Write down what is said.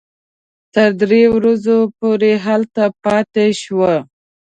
تر درې ورځو پورې هلته پاتې شوو.